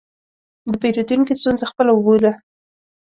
د پیرودونکي ستونزه خپله وبوله.